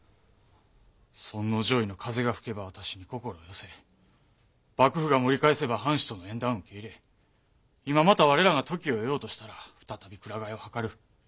尊皇攘夷の風が吹けば私に心を寄せ幕府が盛り返せば藩士との縁談を受け入れ今また我らが時を得ようとしたら再び鞍替えを図る。